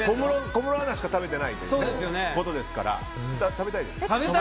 小室アナしか食べてないということですから食べたいよ！